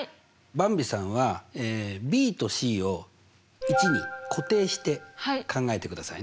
ばんびさんはｂとｃを１に固定して考えてくださいね。